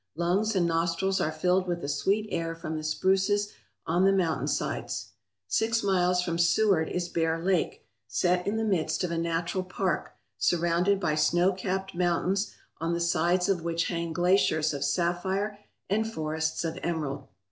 Lungs and nostrils are filled with the sweet air from the spruces on the mountain sides. Six miles from Seward is Bear Lake, set in the midst of a natural park surrounded by snow capped mountains on the sides of which hang glaciers of sapphire and forests of emerald.